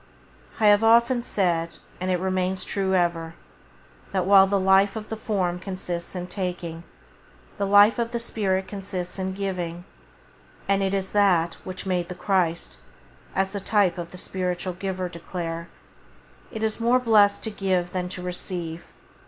I have often said, and it remains true ever, that while the life of the form consists in taking, the life of the spirit consists in giving, and it is that which [Page 17] made the Christ, as the type of the Spiritual Giver, declare: "It is more blessed to give than to receive."